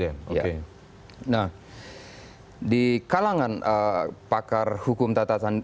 nah di kalangan pakar hukum tatasan